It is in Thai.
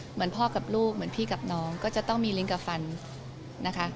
เหมือนพ่อกับลูกเหมือนพี่กับน้องก็จะต้องมีลิงกะฟันนะคะ